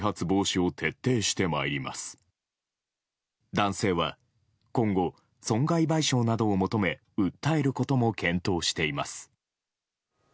男性は今後、損害賠償などを求め訴えることも検討しています。